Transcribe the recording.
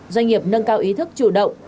doanh nghiệp nâng cao ý thức chủ động